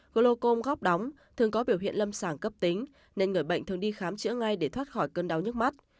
glocom góp đóng thường có biểu hiện lâm sàng cấp tính nên người bệnh thường đi khám chữa ngay để thoát khỏi cơn đau nhức mắt